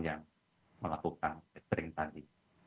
yang melakukan catering tadi